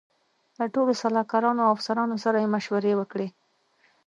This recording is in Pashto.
له ټولو سلاکارانو او افسرانو سره یې مشورې وکړې.